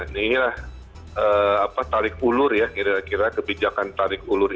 inilah tarik ulur ya kira kira kebijakan tarik ulur